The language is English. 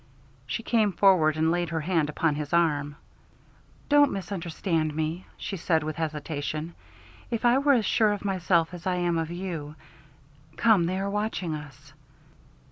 She came forward and laid her hand upon his arm. "Don't misunderstand me," she said with hesitation. "If I were as sure of myself as I am of you Come, they are watching us."